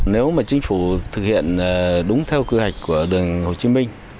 nếu mà chính phủ thực hiện đúng theo quy hoạch của đường hồ chí minh